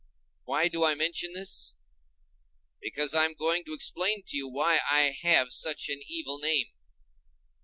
Why do I mention this? Because I am going to explain to you why I have such an evil name.